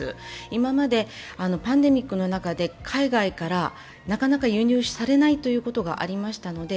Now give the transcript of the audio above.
今まで、パンデミックの中で海外からなかなか輸入されないということがありましたので